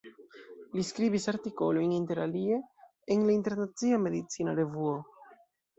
Li skribis artikolojn interalie en la Internacia Medicina Revuo.